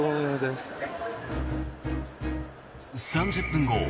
３０分後